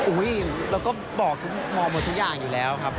เราก็บอกหมดทุกอย่างอยู่แล้วครับ